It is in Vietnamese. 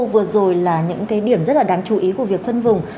vừa rồi là những điểm rất đáng chú ý của việc phân vùng